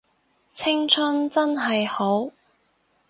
青春真係好